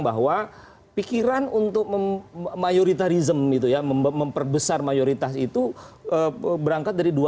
bahwa pikiran untuk mayoritarism itu ya memperbesar mayoritas itu berangkat dari dua